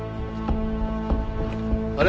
あれ？